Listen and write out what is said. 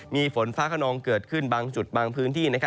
มีฝนฟ้าขนองเกิดขึ้นบางจุดบางพื้นที่